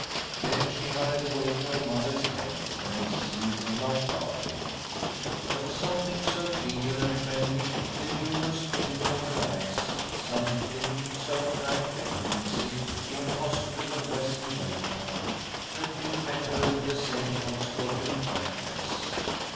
Then she hurried away to her mother's tent, and Mrs. Lee came out laughing. There was something so genial and friendly in the humourous twinkle of her eyes, something so frank and breezy in her hospitable Western welcome, that Phil met her with the same outspoken frankness.